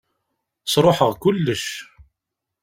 Sṛuḥeɣ kullec.